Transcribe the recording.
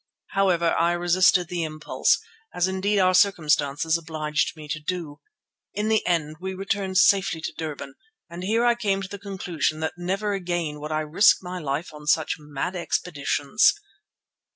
However, I resisted the impulse, as indeed our circumstances obliged me to do. In the end we returned safely to Durban, and here I came to the conclusion that never again would I risk my life on such mad expeditions.